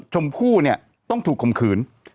ชมพู่เนี่ยต้องถูกคมขืน